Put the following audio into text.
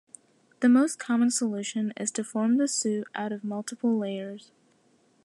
The most common solution is to form the suit out of multiple layers.